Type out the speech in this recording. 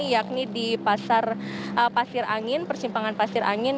yakni di pasar angin persimpangan pasir angin